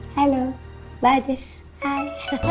halo mbak jess hai